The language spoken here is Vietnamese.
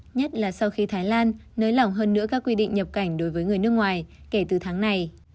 nhất là sau khi thái lan nới lỏng hơn nữa các quy định nhập cảnh đối với người nước ngoài kể từ tháng này